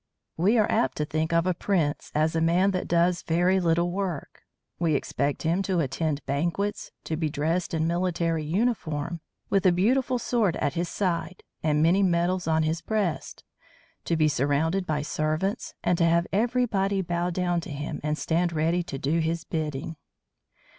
We are apt to think of a prince as a man that does very little work. We expect him to attend banquets, to be dressed in military uniform, with a beautiful sword at his side and many medals on his breast, to be surrounded by servants, and to have everybody bow down to him and stand ready to do his bidding.